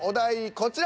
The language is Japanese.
こちら。